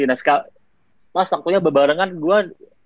nah mas waktunya berbarengan gue